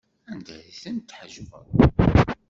Anda ay tent-tḥejbeḍ?